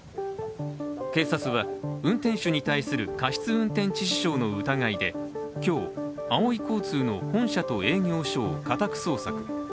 警察は運転手に対する過失運転致死傷の疑いで今日、あおい交通の本社と営業所を家宅捜索。